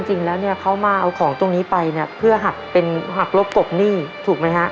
จริงแล้วเขามาเอาของตรงนี้ไปเพื่อหักเป็นหักรบกบหนี้ถูกไหมคะ